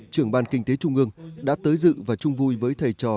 trường ban kinh tế trung mương đã tới dự và chung vui với thầy trò